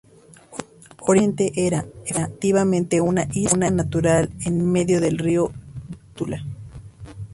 Originalmente era, efectivamente, una isla natural en medio del río Vístula.